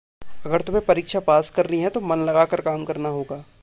अगर तुम्हे परीक्षा पास करनी है तो मन लगाकर काम करना होगा।